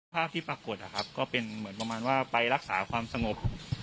ภาพที่ปรากฏนะครับก็เป็นเหมือนประมาณว่าไปรักษาความสงบ